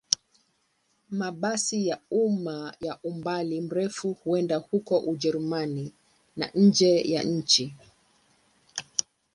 Mabasi ya umma ya umbali mrefu huenda huko Ujerumani na nje ya nchi.